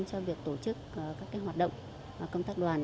cho việc tổ chức các hoạt động công tác đoàn